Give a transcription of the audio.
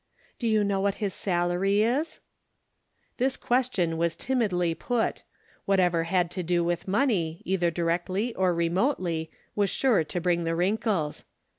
" Do you know what his salary is ?" This question was timidly put ; whatever had to do with money, either directly or remotely, was sure to bring the wrinkles.